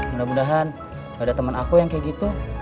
mudah mudahan gak ada temen aku yang kayak gitu